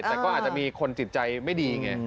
แต่ก็อาจจะมีคนจิตใจไม่ดีไง